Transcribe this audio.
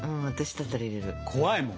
怖いもん。